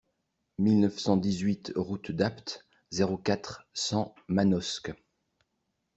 mille neuf cent dix-huit route d'Apt, zéro quatre, cent Manosque